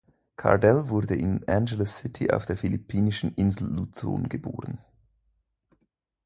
Cardell wurde in Angeles City auf der philippinischen Insel Luzon geboren.